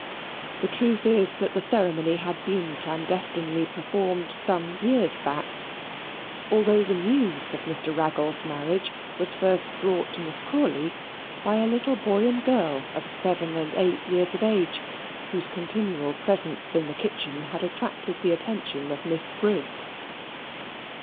The truth is, that the ceremony had been clandestinely performed some years back; although the news of Mr. Raggles' marriage was first brought to Miss Crawley by a little boy and girl of seven and eight years of age, whose continual presence in the kitchen had attracted the attention of Miss Briggs.